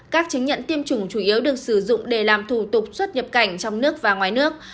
các chứng nhận tiêm chủng chủ yếu được sử dụng để làm thủ tục xuất nhập cảnh trong nước và ngoài nước